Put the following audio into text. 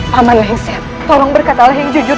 paman waisyah tolong berkatalah yang jujur